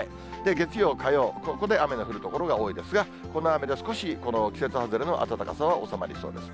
月曜、火曜、ここで雨の降る所が多いですが、この雨で少しこの季節外れの暖かさは収まりそうです。